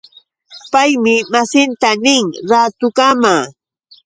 Paymi masinta nin: Raatukama.